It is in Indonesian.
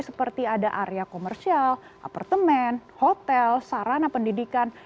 seperti ada area komersial apartemen hotel sarana pendidikan